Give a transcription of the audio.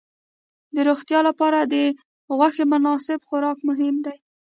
د روغتیا لپاره د غوښې مناسب خوراک مهم دی.